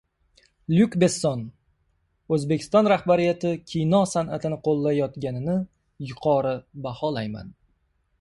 Lyuk Besson: O‘zbekiston rahbariyati kino san’atini qo‘llayotganini yuqori baholayman